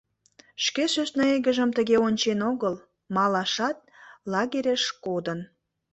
Шке сӧсна игыжым тыге ончен огыл, малашат лагереш кодын...